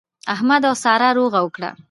احمد او سارا روغه وکړه.